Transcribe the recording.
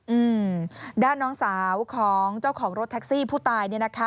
อืมด้านน้องสาวของเจ้าของรถแท็กซี่ผู้ตายเนี่ยนะคะ